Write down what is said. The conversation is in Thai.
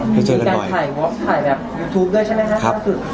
มีการถ่ายวอคถ่ายแบบทูปด้วยใช่ไหมครับ